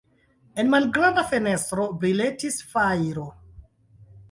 En malgranda fenestro briletis fajro.